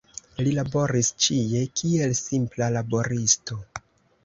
Li laboris ĉie, kiel simpla laboristo.